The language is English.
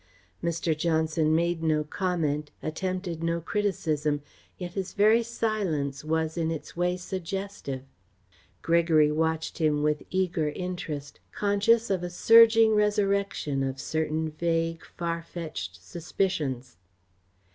Mr. Johnson made no comment, attempted no criticism, yet his very silence was in its way suggestive. Gregory watched him with eager interest, conscious of a surging resurrection of certain vague, far fetched suspicions.